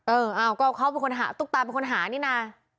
เอออ้าวก็เขาเป็นคนหาตุ๊กตาเป็นคนหานี่นะ